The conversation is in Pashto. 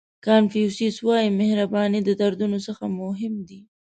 کانفیوسیس وایي مهرباني د دردونو څخه مهم دی.